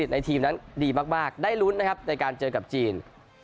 ในทีมนั้นดีมากได้ลุ้นนะครับในการเจอกับจีน